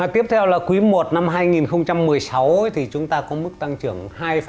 tiếp theo là quý i năm hai nghìn một mươi sáu chúng ta có mức tăng trưởng hai tám